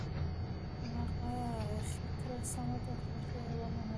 هماغه پخې کړه سمه ده خوښه یې ومنله.